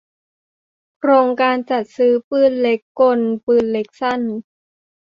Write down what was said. โครงการจัดซื้อปืนเล็กกล ปืนเล็กสั้น